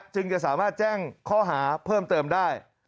จึงจะสามารถแจ้งข้อหาเพิ่มเติมได้